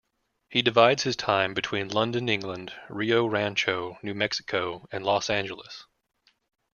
He divides his time between London, England; Rio Rancho, New Mexico, and Los Angeles.